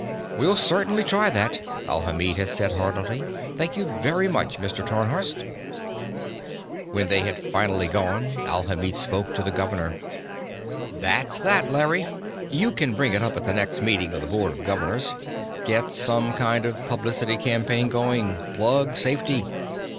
"We'll certainly try that," Alhamid had said heartily. "Thank you very much, Mr. Tarnhorst." When they had finally gone, Alhamid spoke to the governor. "That's that, Larry. You can bring it up at the next meeting of the Board of Governors. Get some kind of publicity campaign going. Plug safety.